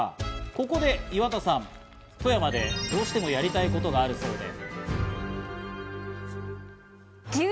ここで岩田さん、富山でどうしてもやりたいことがあるそうで。